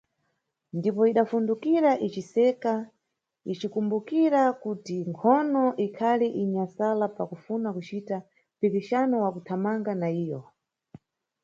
Ndipo idafundukira iciseka, icikumbukira kuti nkhono ikhali inyamsala pa kufuna kucita mpikixano wa kuthamanga na iyo.